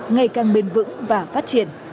ngày càng bền vững và phát triển